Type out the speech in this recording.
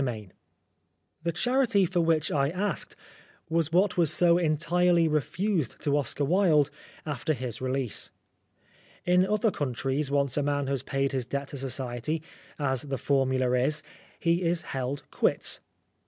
217 XIX THE charity for which I asked was what was so entirely refused to Oscar Wilde after his release. In other countries, once a man has paid his debt to Society, as the formula is, he is held quits.